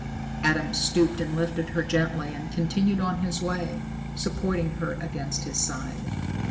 Adam stooped and lifted her gently and continued on his way, supporting her against his side.